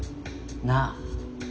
なあ。